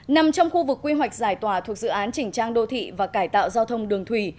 nằm trong khu vực quy hoạch giải tỏa thuộc dự án chỉnh trang đô thị và cải tạo giao thông đường thủy